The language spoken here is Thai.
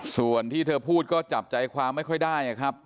ส่วนที่เธอพูดก็จับใจความไม่ค่อยได้ครับ